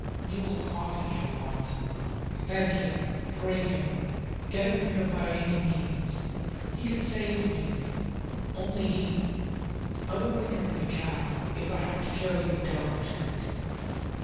You will soften him, Watson. Beg him, pray him, get him here by any means. He can save me only he!" "I will bring him in a cab, if I have to carry him down to it."